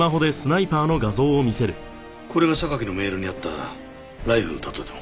これが榊のメールにあったライフルだとでも？